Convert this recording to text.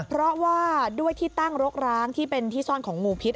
เพราะว่าด้วยที่ตั้งรกร้างที่เป็นที่ซ่อนของงูพิษ